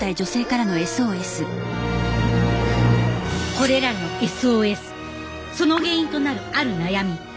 これらのＳＯＳその原因となるある悩み。